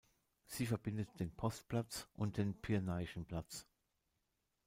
Sie verbindet den Postplatz und den Pirnaischen Platz.